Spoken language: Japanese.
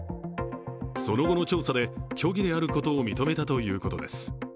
その後の調査で虚偽であることを認めたということです。